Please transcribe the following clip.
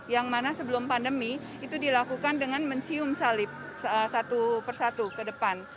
yang mana sebelum pandemi itu dilakukan dengan mencium salib satu persatu ke depan